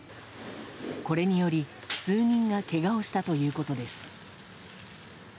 これにより、数人がけがをしたということです。